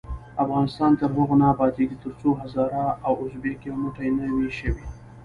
افغانستان تر هغو نه ابادیږي، ترڅو هزاره او ازبک یو موټی نه وي شوي.